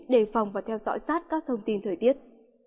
đề phòng và theo dõi sát các thông tin thời tiết